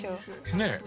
ねえ。